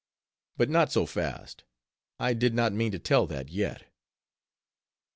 But not so fast; I did not mean to tell that yet.